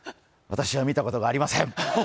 私は見たことがありません。